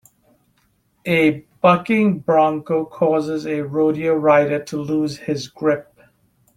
A bucking bronco causes a rodeo rider to lose his grip.